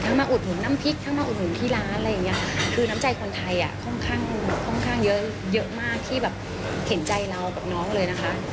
ทั้งมาอุดหนุนน้ำพริกทั้งมาอุดหนุนที่ร้านอะไรอย่างนี้คือน้ำใจคนไทยค่อนข้างเยอะมากที่แบบเข็นใจเรากับน้องเลยนะคะ